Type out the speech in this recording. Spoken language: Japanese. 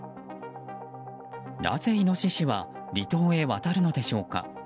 なぜイノシシは離島へ渡るのでしょうか。